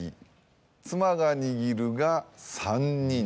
妻が握るが３人。